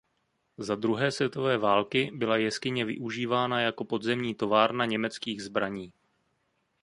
Za druhé světové války byla jeskyně využívána jako podzemní továrna německých zbraní.